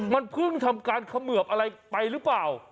มันเพิ่งทำการเขมือบอะไรไปหรือเปล่า